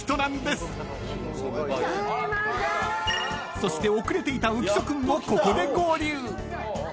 ［そして遅れていた浮所君もここで合流］